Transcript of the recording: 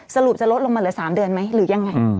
สรุปจะลดลงมาเหลือ๓เดือนไหมหรือยังไง